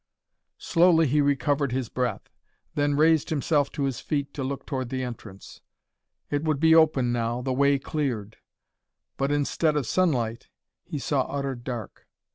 Slowly he recovered his breath; then raised himself to his feet to look toward the entrance. It would be open now, the way cleared. But, instead of sunlight, he saw utter dark.